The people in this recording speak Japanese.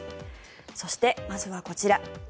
そしてまずはこちら。